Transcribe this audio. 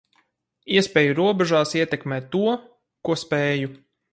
Iespēju robežās ietekmēt to, ko spēju.